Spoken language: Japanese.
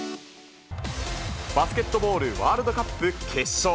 バスケットボールワールドカップ決勝。